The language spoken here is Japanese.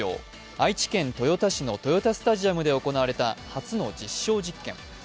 愛知県豊田市の豊田スタジアムで行われた初の実証実験。